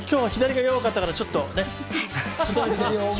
今日は左が弱かったから、ちょっとね。